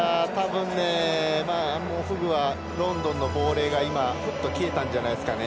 フグはロンドンの亡霊がふっと消えたんじゃないですかね。